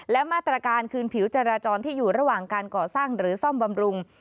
และมาตรการคืนผิวจราจรที่อยู่ระหว่างการก่อสร้างหรือซ่อมบำรุง